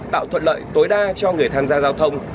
tạo thuận lợi tối đa cho người tham gia giao thông